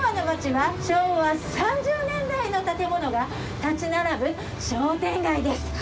昭和３０年代の建物が立ち並ぶ商店街です。